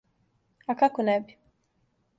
А како не би?